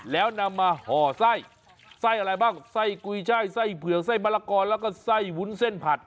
แล้วนำมาห่อไส้ไส้อะไรบ้างไส้กุยช่ายไส้เผือกไส้มะละกอแล้วก็ไส้วุ้นเส้นผัด